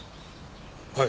はい。